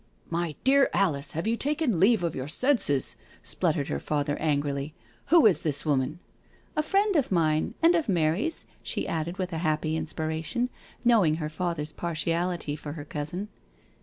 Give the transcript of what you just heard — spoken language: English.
" My dear Alice, have you taken leave of your senses?" spluttered her father angrily. "Who is this woman?" " A friend of mine— and of Mary's," she added with a happy inspiration, knowing her father's partiality for her cousin.